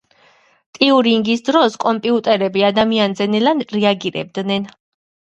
ტიურინგის დროს კომპიუტერები ადამიანზე ნელა რეაგირებდნენ.